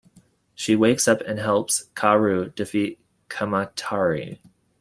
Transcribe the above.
She wakes up and helps Kaoru defeat Kamatari.